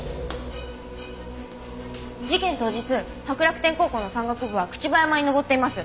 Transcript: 事件当日白楽天高校の山岳部は朽葉山に登っています。